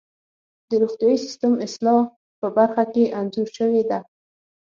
د روغتیايي سیستم اصلاح په برخه کې انځور شوې ده.